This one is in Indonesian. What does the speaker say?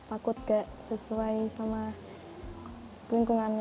takut gak sesuai sama lingkungannya